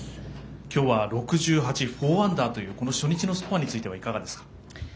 今日は６８、４アンダーというこの初日のスコアについてはいかがですか。